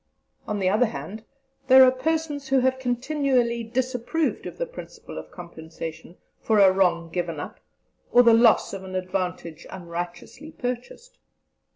On the other hand, there are persons who have continually disapproved of the principle of compensation for a wrong given up, or the loss of an advantage unrighteously purchased.